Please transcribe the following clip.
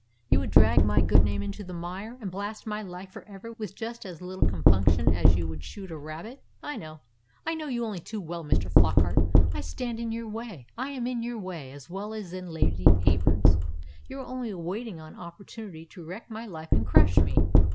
"You would drag my good name into the mire, and blast my life for ever with just as little compunction as you would shoot a rabbit. I know I know you only too well, Mr. Flockart! I stand in your way; I am in your way as well as in Lady Heyburn's. You are only awaiting an opportunity to wreck my life and crush me!